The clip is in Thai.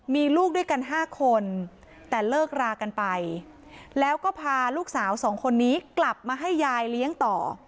มีลูกด้วยกัน๕คนแต่เลิกรากันไปแล้วก็พาลูกสาวสองคนนี้กลับมาให้ยายเลี้ยงต่อ